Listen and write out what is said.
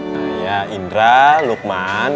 nah ya indra lukman